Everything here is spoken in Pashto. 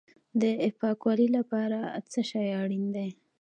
د پاکوالي لپاره څه شی اړین دی؟